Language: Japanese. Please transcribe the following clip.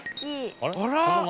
あら？